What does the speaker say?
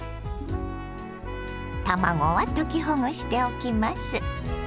卵は溶きほぐしておきます。